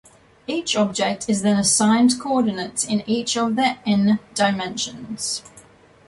Each object is then assigned coordinates in each of the "N" dimensions.